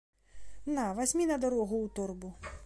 На, вазьмі на дарогу ў торбу.